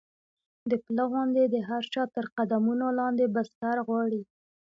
د پله غوندې د هر چا تر قدمونو لاندې بستر غواړي.